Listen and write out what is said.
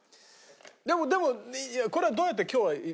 でもでもこれはどうやって今日は。